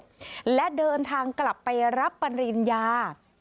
พิศนโลกและเดินทางกลับไปรับปริญญา